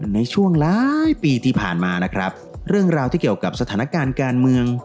ในช่วงหลายปีที่ผ่านมานะครับเรื่องราวที่เกี่ยวกับสถานการณ์การเมือง